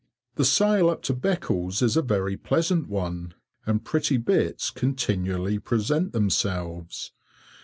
The sail up to Beccles is a very pleasant one, and pretty bits continually present themselves.